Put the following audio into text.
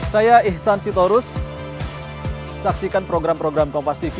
saya ihsan sitorus saksikan program program kompastv